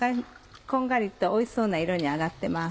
こんがりとおいしそうな色に揚がってます。